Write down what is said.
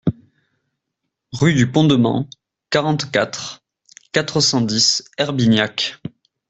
Rue du Pont de Men, quarante-quatre, quatre cent dix Herbignac